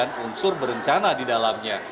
ada dugaan unsur berencana di dalamnya